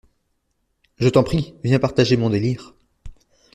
Je t'en prie, viens partager mon délire.